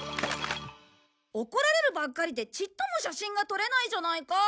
怒られるばっかりでちっとも写真が撮れないじゃないか。